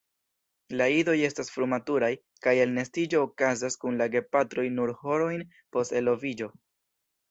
La idoj estas frumaturaj, kaj elnestiĝo okazas kun la gepatroj nur horojn post eloviĝo.